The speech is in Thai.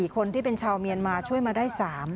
คนที่เป็นชาวเมียนมาช่วยมาได้๓